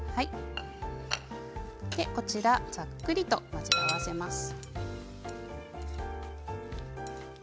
こちらざっくりと混ぜ合わせます。